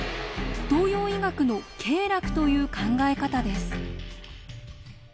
東洋医学の経絡という考え方です。